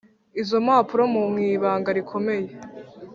izo mpapuro mwibanga rikomeye.